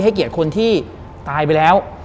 เกียรติคนที่ตายไปแล้ว